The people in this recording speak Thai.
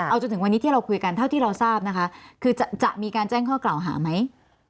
เอาจนถึงวันนี้ที่เราคุยกันเท่าที่เราทราบนะคะคือจะมีการแจ้งข้อกล่าวหาไหม